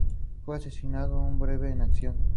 Pasó parte de su carrera en Barcelona y Orense.